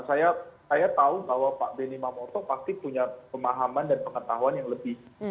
saya tahu bahwa pak benny mamoto pasti punya pemahaman dan pengetahuan yang lebih